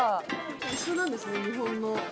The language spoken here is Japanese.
一緒なんですね日本の言葉と。